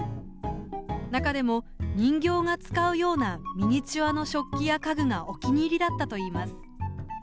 中でも人形が使うようなミニチュアの食器や家具がお気に入りだったといいます。